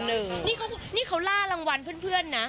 นี่เขาล่ารางวัลเพื่อนนะ